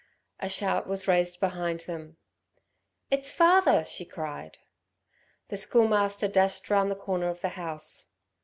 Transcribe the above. A shout was raised behind them. "It's father!" she cried. The Schoolmaster dashed round the corner of the house.